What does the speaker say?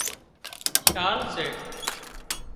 شال سي